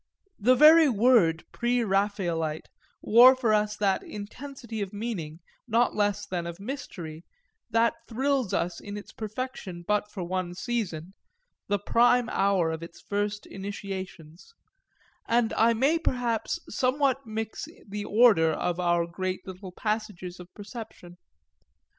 The very word Pre Raphaelite wore for us that intensity of meaning, not less than of mystery, that thrills us in its perfection but for one season, the prime hour of first initiations, and I may perhaps somewhat mix the order of our great little passages of perception.